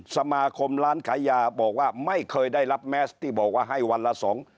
สมาคมร้านขายยาบอกว่าไม่เคยได้รับแมสที่บอกว่าให้วันละสอง